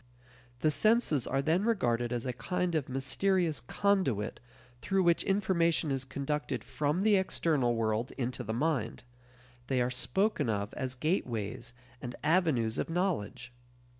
The senses are then regarded as a kind of mysterious conduit through which information is conducted from the external world into the mind; they are spoken of as gateways and avenues of knowledge.